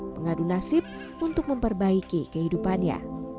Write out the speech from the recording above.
mengadu nasib untuk memperbaiki kehidupannya